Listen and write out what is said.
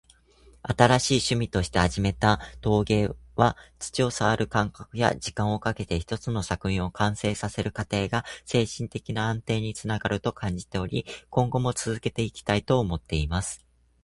「新しい趣味として始めた陶芸は、土を触る感覚や、時間をかけて一つの作品を完成させる過程が精神的な安定につながると感じており、今後も続けていきたいと思っています。」